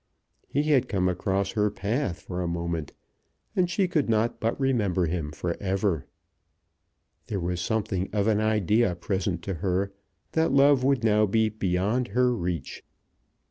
He had come across her path for a moment, and she could not but remember him for ever! There was something of an idea present to her that love would now be beyond her reach.